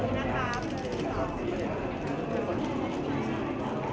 รักษาอีกนะครับ